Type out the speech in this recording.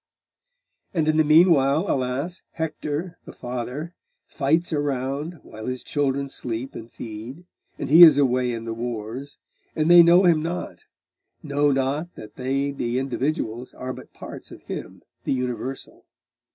'And in the meanwhile, alas! Hector, the father, fights around, while his children sleep and feed; and he is away in the wars, and they know him not know not that they the individuals are but parts of him the universal.